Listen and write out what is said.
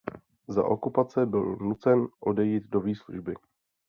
Za okupace byl nucen odejít do výslužby.